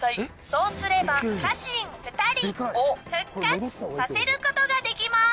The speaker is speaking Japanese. そうすれば家臣２人を復活させることができます。